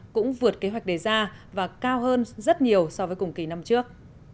cũng vượt kế hoạch đề ra và cao hơn rất nhiều so với cùng kỳ năm trước